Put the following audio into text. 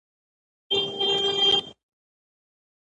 رضا پهلوي په قاهره کې سمبولیک تاجاېښودنه وکړه.